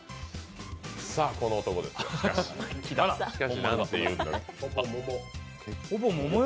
さあ、この男ですよ。